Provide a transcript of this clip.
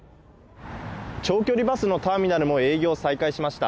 長距離バスのターミナルも営業を再開しました。